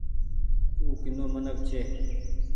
او ڪينو منک ڇي۔